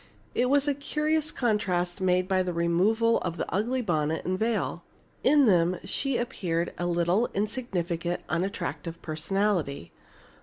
It was a curious contrast made by the removal of the ugly bonnet and veil. In them she appeared a little, insignificant, unattractive personality.